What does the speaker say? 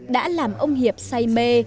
đã làm ông hiệp say mê